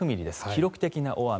記録的な大雨。